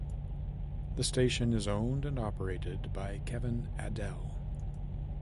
The station is owned and operated by Kevin Adell.